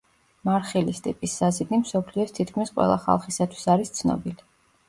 მარხილის ტიპის საზიდი მსოფლიოს თითქმის ყველა ხალხისათვის არის ცნობილი.